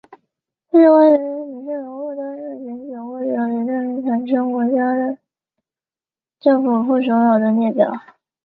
这是关于女性人物担任选举或者任命产生的国家政府副首脑的列表。